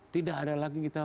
tidak ada lagi kita